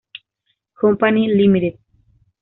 Company Limited.